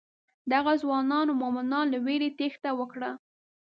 دغو ځوانو مومنانو له وېرې تېښته وکړه.